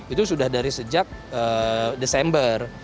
itu sudah dari sejak desember